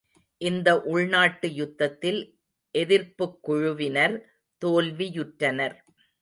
இந்த உள்நாட்டுயுத்தத்தில் எதிர்ப்புக்குழுவினர் தோல்வியுற்றனர்.